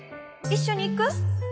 一緒に行く？